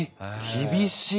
厳しい！